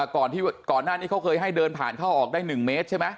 ก่อนหน้านี้เขาเคยให้เดินผ่านเข้าออกได้๑เมตรใช่ไหม